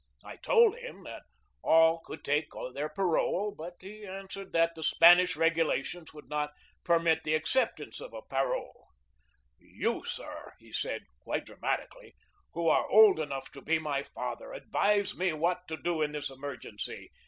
I told him that all could take their parole, but he an swered that the Spanish regulations would not permit the acceptance of a parole. "You, sir," he said quite dramatically, "who are old enough to be my father, advise me what to do in this emergency.